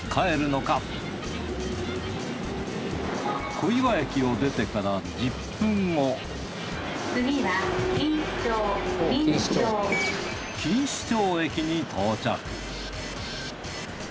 小岩駅を出てから１０分後次は錦糸町錦糸町。